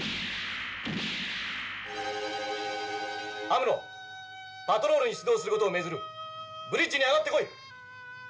「アムロパトロールに出動する事を命ずる」「ブリッジに上がってこい！」